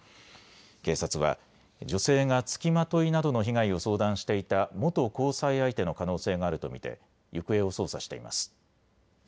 警察は女性がつきまといなどの被害を相談していた元交際相手の可能性があると見て行方を捜査しています。